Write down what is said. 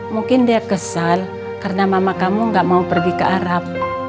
mungkin dia kesal karena mama kamu gak mau pergi ke arab